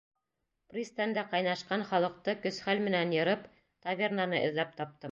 Пристандә ҡайнашҡан халыҡты көс-хәл менән йырып, тавернаны эҙләп таптым.